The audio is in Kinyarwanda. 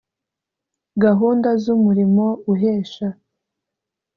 Gahunda z’umurimo uhesha